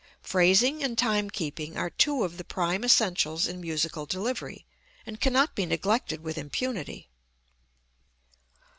Phrasing and time keeping are two of the prime essentials in musical delivery, and cannot be neglected with impunity.